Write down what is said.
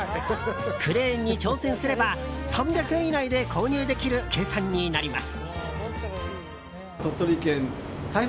クレーンに挑戦すれば３００円以内で購入できる計算になります。